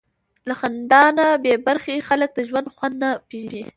له خندا نه بېبرخې خلک د ژوند خوند نه پېژني.